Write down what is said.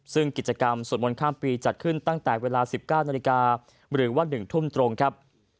ซึ่งกิจกรรมสวดมนต์ข้ามปีจัดขึ้นตั้งแต่เวลา๑๙นาฬิกาหรือว่า๑ทุ่มตรงครับ